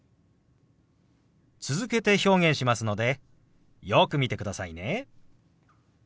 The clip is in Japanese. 続けて表現しますのでよく見てくださいね。